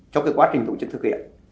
cho quá trình tổ chức thực hiện